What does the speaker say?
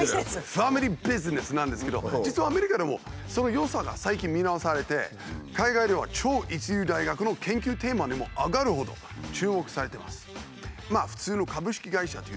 ファミリービジネスなんですけど実はアメリカでもその良さが最近見直されて海外では超一流大学の研究テーマにも挙がるほど注目されてます。